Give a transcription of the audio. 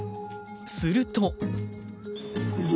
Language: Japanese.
すると。